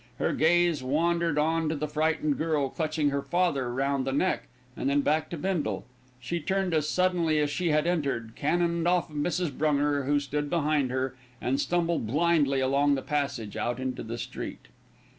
Her gaze wandered on to the frightened girl clutching her father round the neck, and then back to Bindle. She turned as suddenly as she had entered, cannoned off Mrs. Brunger, who stood behind her, and stumbled blindly along the passage out into the street.